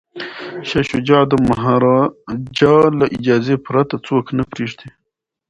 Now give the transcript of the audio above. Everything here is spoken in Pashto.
شاه شجاع د مهاراجا له اجازې پرته څوک نه پریږدي.